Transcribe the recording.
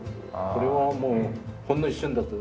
これはもうほんの一瞬だと。